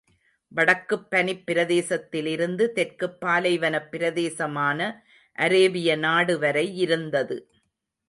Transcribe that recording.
வடக்குப் பனிப் பிரதேசத்திலிருந்து தெற்குப் பாலைவனப் பிரதேசமான அரேபிய நாடு வரை யிருந்தது.